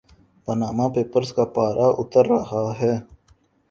Panama Papers کا پارہ اتر رہا ہے۔